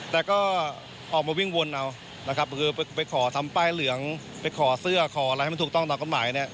แต่ก็ออกมาวิ่งวนเอาไปขอทำป้ายเหลืองไปขอเสื้อขออะไรไม่ถูกต้องตำรงกลับใหม่